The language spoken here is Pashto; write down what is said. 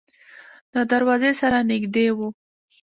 د دروازې سره نږدې و.